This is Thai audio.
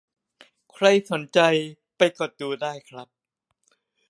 ใครสนใจไปกดดูได้ครับ